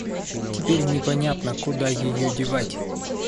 Теперь непонятно, куда её девать.